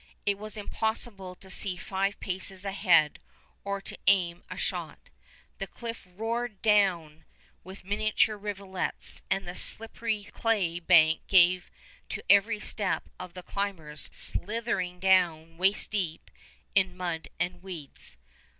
It was impossible to see five paces ahead or to aim a shot. The cliff roared down with miniature rivulets and the slippery clay bank gave to every step of the climbers slithering down waist deep in mud and weeds.